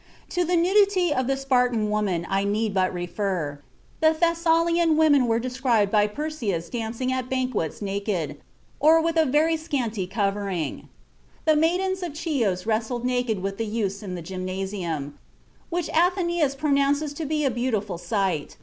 "To the nudity of the Spartan women I need but refer; the Thessalian women are described by Persæus dancing at banquets naked, or with a very scanty covering (apud Athenæus, xiii, c. 86). The maidens of Chios wrestled naked with the youths in the gymnasium, which Athenæus (xiii, 20) pronounces to be 'a beautiful sight.'